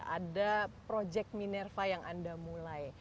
ada proyek minerva yang anda mulai